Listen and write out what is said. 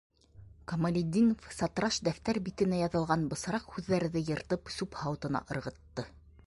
Камалетдинов сатраш дәфтәр битенә яҙылған бысраҡ һүҙҙәрҙе йыртып сүп һауытына ырғытты.